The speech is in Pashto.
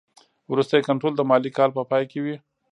وروستی کنټرول د مالي کال په پای کې وي.